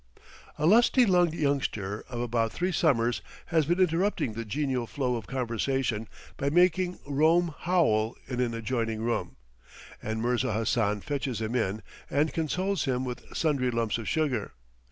A lusty lunged youngster of about three summers has been interrupting the genial flow of conversation by making "Rome howl" in an adjoining room, and Mirza Hassan fetches him in and consoles him with sundry lumps of sugar.